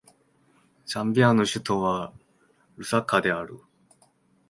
ザンビアの首都はルサカである